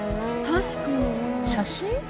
確かに写真？